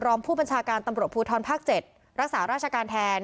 รองผู้บัญชาการตำรวจภูทรภาค๗รักษาราชการแทน